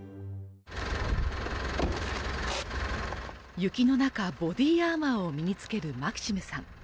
雪の中ボディーアーマーを身につけるマキシムさん